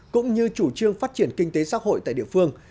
cũng như chủ trương phát triển kinh tế xã hội tại địa phương